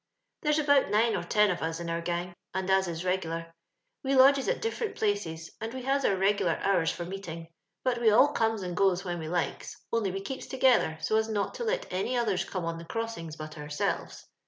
^There^ about nine <Hr ten of ua in onr gang, and as is reg'lar; we lodgea at ^fEenot places, and we has our reglar hoars for meet ing, but we all comes and goes when we hkes,. only we keeps together, so as not to let any others come on the crossings but ourselves.